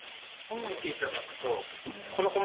見ていただくと。